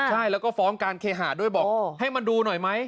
ใช่แล้วก็ฟ้องการเคหาด้วยบอกให้มาดูหน่อยไหม